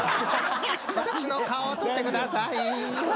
私の顔を撮ってください。